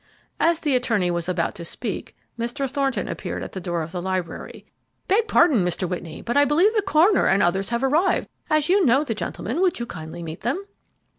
As the attorney was about to speak, Mr. Thornton appeared at the door of the library. "Beg pardon, Mr. Whitney, but I believe the coroner and others have arrived; as you know the gentlemen, will you kindly meet them?"